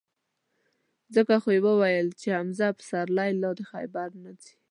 ځکه خو یې ویل چې: حمزه سپرلی لا د خیبره نه ځي.